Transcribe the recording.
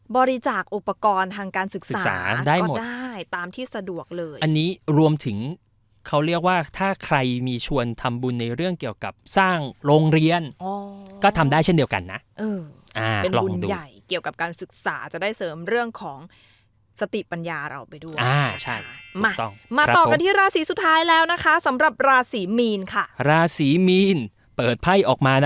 บริจาคอุปกรณ์ทางการศึกษาได้ตามที่สะดวกเลยอันนี้รวมถึงเขาเรียกว่าถ้าใครมีชวนทำบุญในเรื่องเกี่ยวกับสร้างโรงเรียนก็ทำได้เช่นเดียวกันนะเป็นบุญใหญ่เกี่ยวกับการศึกษาจะได้เสริมเรื่องของสติปัญญาเราไปด้วยอ่าใช่มาต่อกันที่ราศีสุดท้ายแล้วนะคะสำหรับราศีมีนค่ะราศีมีนเปิดไพ่ออกมานะ